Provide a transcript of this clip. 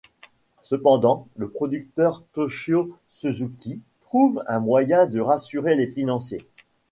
Cependant, le producteur Toshio Suzuki trouve un moyen de rassurer les financiers.